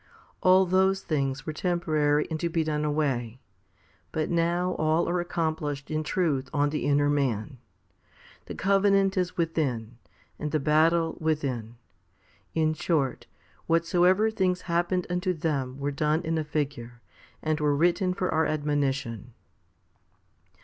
All those things were temporary and to be done away ; but now all are accomplished in truth on the inner man. The covenant is within, and the battle within. In short, whatsoever things happened unto them were done in a figure, and were written for our admonition.